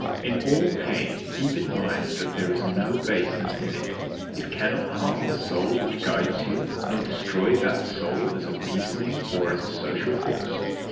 64. In all pain keep in mind that there is no baseness in it, that it cannot harm the soul which guides you, nor destroy that soul as a reasoning or as a social force.